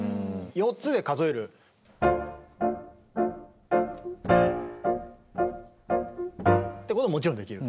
４つで数える。ってことももちろんできる。